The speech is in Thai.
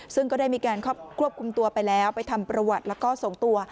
ซึ่งก็ได้มีการควบคุมตัวไปแล้วไปทำประวัติแล้วก็ส่งตัว